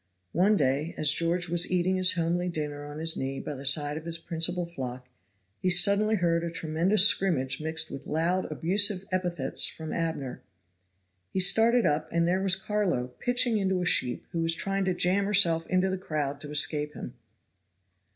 One day, as George was eating his homely dinner on his knee by the side of his principal flock, he suddenly heard a tremendous scrimmage mixed with loud, abusive epithets from Abner. He started up, and there was Carlo pitching into a sheep who was trying to jam herself into the crowd to escape him.